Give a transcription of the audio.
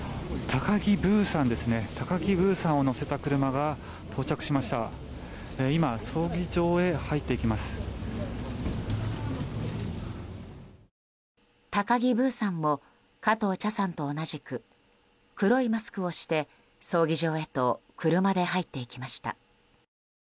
高木ブーさんも加藤茶さんと同じく黒いマスクをして、葬儀場へと車で入っていきました。